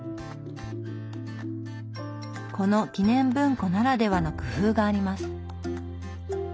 この記念文庫ならではの工夫があります。